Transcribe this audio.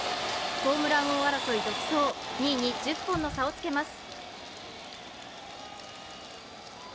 ホームラン王争い独走２位に１０本の差をつけます。